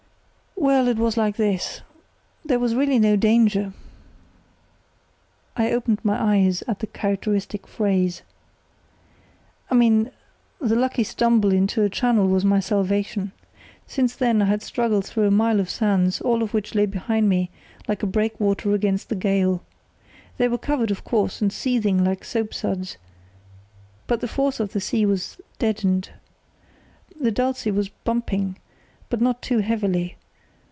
"Well, it was like this—there was really no danger"—I opened my eyes at the characteristic phrase. "I mean, that lucky stumble into a channel was my salvation. Since then I had struggled through a mile of sands, all of which lay behind me like a breakwater against the gale. They were covered, of course, and seething like soapsuds; but the force of the sea was deadened. The Dulce was bumping, but not too heavily.